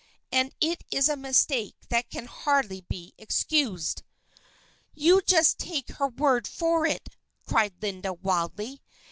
And it is a mistake that can hardly be excused." "You just take her word for it!" cried Linda, wildly.